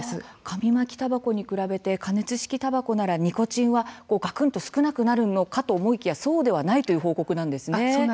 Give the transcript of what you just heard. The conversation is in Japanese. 紙巻きたばこに比べて加熱式たばこならニコチンはがくんと少なくなるのかと思いきやそうではないという報告なんですね。